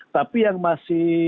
tapi yang masih